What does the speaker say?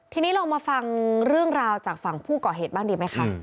ทีนี้เรามาฟังเรื่องราวจากฝั่งผู้ก่อเหตุบ้างดีไหมคะ